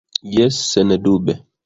Jes, sendube.